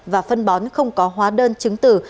và phân bón không có hóa đơn chứng từ